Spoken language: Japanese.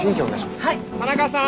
田中さん